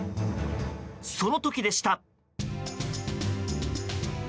その時でした。